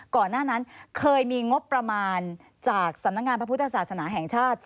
ก่อนหน้านั้นเคยมีงบประมาณจากสำนักงานพระพุทธศาสนาแห่งชาติ